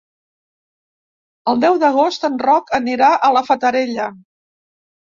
El deu d'agost en Roc anirà a la Fatarella.